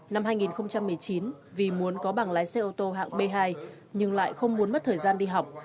năm hai nghìn một mươi chín vì muốn có bằng lái xe ô tô hạng b hai nhưng lại không muốn mất thời gian đi học